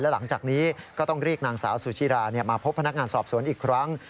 หลังจากนี้ก็ต้องเรียกนางสาวสุชิรามาพบพนักงานสอบสวนอีกครั้ง